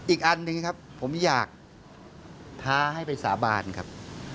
อีกอันหนึ่งครับผมอยากท้าให้ไปสาบานครับ